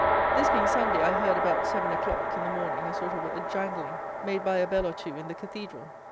This being Sunday, I heard, about 7 o'clock in the morning, a sort of a jangling, made by a bell or two in the Cathedral.